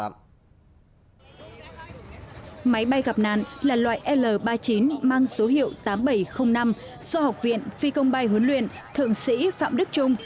máy bay gặp nạn là loại l ba mươi chín mang số hiệu tám nghìn bảy trăm linh năm do học viện phi công bay huấn luyện thượng sĩ phạm đức trung